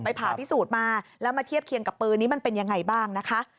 ไปพาพิสูจน์มาแล้วมาเทียบเคียงกับพื้นนี้มันเป็นอย่างไรบ้าง